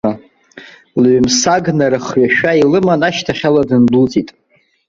Лҩымсаг нарыхҩашәа илыман ашьҭахьала дындәылҵит.